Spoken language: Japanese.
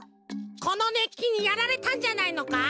このねっきにやられたんじゃないのか？